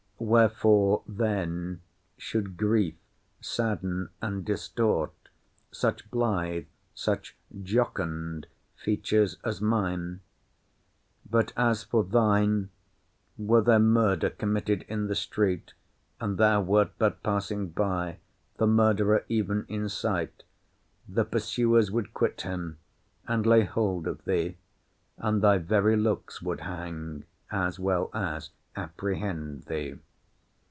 Wherefore then should grief sadden and distort such blythe, such jocund, features as mine? But as for thine, were there murder committed in the street, and thou wert but passing by, the murderer even in sight, the pursuers would quit him, and lay hold of thee: and thy very looks would hang, as well as apprehend thee.